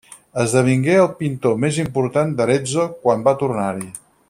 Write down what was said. Esdevingué el pintor més important d'Arezzo quan va tornar-hi.